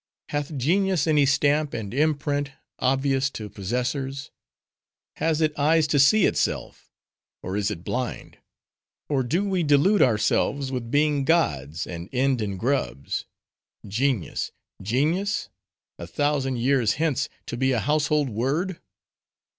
Hath genius any stamp and imprint, obvious to possessors? Has it eyes to see itself; or is it blind? Or do we delude ourselves with being gods, and end in grubs? Genius, genius?—a thousand years hence, to be a household word?